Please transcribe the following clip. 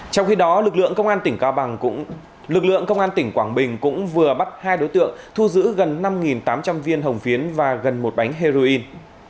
trong khi đó lực lượng công an tỉnh quảng bình cũng vừa bắt hai đối tượng thu giữ gần năm tám trăm linh viên hồng phiến và gần một bánh heroin